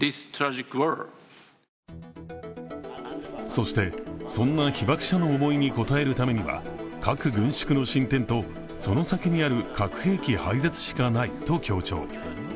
そして、そんな被爆者の思いに応えるためには核軍縮の進展と、その先にある核兵器廃絶しかないと強調。